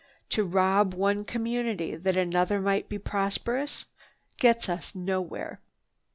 To rob one community that another may be prosperous gets us nowhere.